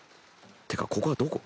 てかここはどこ？